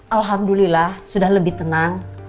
alhamdulillah sudah lebih tenang